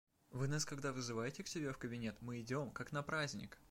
Вы нас когда вызываете к себе в кабинет, мы идем, как на праздник!